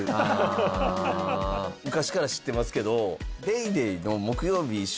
昔から知ってますけど。